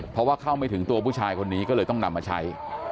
เพราะว่าเข้าไม่ถึงตัวผู้ชายคนนี้ก็เลยต้องนำมาใช้